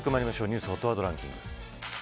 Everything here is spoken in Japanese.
ニュースＨＯＴワードランキング